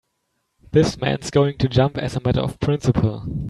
This man's going to jump as a matter of principle.